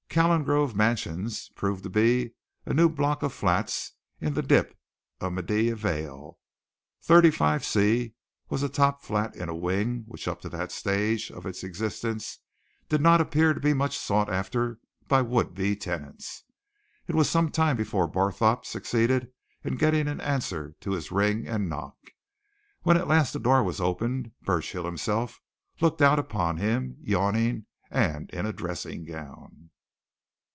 Calengrove Mansions proved to be a new block of flats in the dip of Maida Vale; 35c was a top flat in a wing which up to that stage of its existence did not appear to be much sought after by would be tenants. It was some time before Barthorpe succeeded in getting an answer to his ring and knock; when at last the door was opened Burchill himself looked out upon him, yawning, and in a dressing gown.